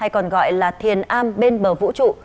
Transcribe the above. còn gọi là thiền am bên bờ vũ trụ